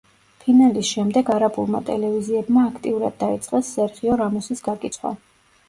ფინალის შემდეგ არაბულმა ტელევიზიებმა აქტიურად დაიწყეს სერხიო რამოსის გაკიცხვა.